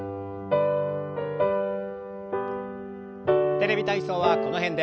「テレビ体操」はこの辺で。